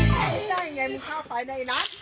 ใช้ได้ไงมึงเข้าไปได้นะ